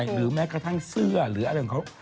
หรือแม้กระทั่งเสื้อหรืออะไรของเขา